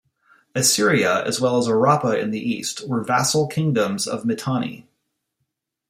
Assyria as well as Arrapha in the east were vassal kingdoms of Mitanni.